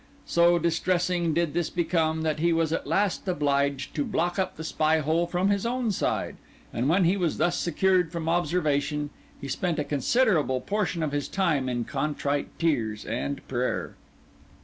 So distressing did this become, that he was at last obliged to block up the spy hole from his own side; and when he was thus secured from observation he spent a considerable portion of his time in contrite tears and prayer.